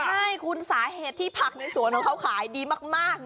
ใช่คุณสาเหตุที่ผักในสวนของเขาขายดีมาก